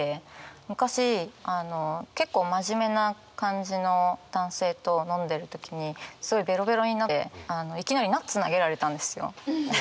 昔結構真面目な感じの男性と飲んでる時にすごいベロベロになっていきなりナッツ投げられたんですよ。